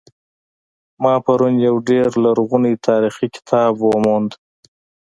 ما پرون یو ډیر لرغنۍتاریخي کتاب وموند